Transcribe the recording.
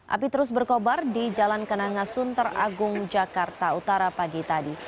api terus berkobar di jalan kenanga sunter agung jakarta utara pagi tadi